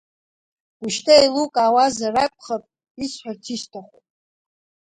Ушьҭа иеилукаазар акәхап, исҳәарц исҭаху!